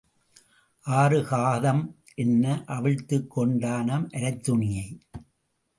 ஆறு காதம் என்ன, அவிழ்த்துக் கொண்டானாம் அரைத்துணியை.